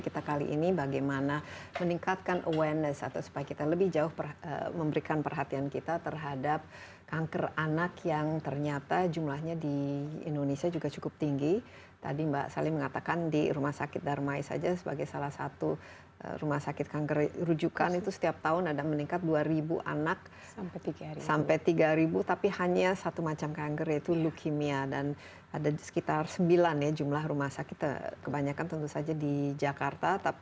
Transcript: tetaplah bersama inside with desi anwar